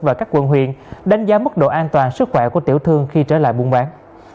và các quận huyện đánh giá mức độ an toàn sức khỏe của tiểu thương khi trở lại buôn bán